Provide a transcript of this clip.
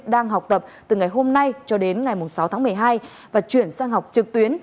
đang học tập từ ngày hôm nay cho đến ngày sáu tháng một mươi hai và chuyển sang học trực tuyến